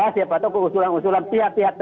siapa tahu keusulan usulan pihak pihak